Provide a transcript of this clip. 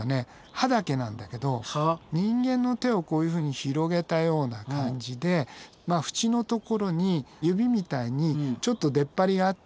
歯だけなんだけど人間の手をこういうふうに広げたような感じでふちのところに指みたいにちょっと出っ張りがあってね。